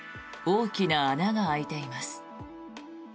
大きな穴が開いています。